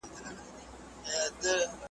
لکه په وچه تږې دښته تویې شوې اوبه